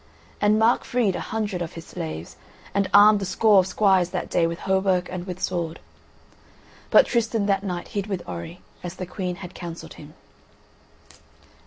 And Mark freed a hundred of his slaves, and armed a score of squires that day with hauberk and with sword. But Tristan that night hid with Orri, as the Queen had counselled him.